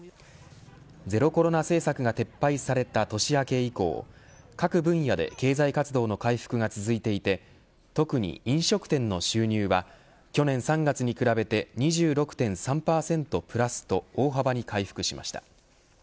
ゼロコロナ政策が撤廃された年明け以降各分野で経済活動の回復が続いていて特に飲食店の収入は去年３月に比べて２６．３％プラスと大幅に回復しました。